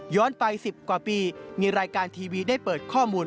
ไป๑๐กว่าปีมีรายการทีวีได้เปิดข้อมูล